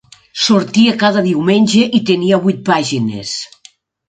Sortia cada diumenge i tenia vuit pàgines.